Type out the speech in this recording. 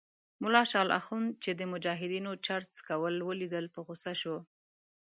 ملا شال اخند چې د مجاهدینو چرس څکول ولیدل په غوسه شو.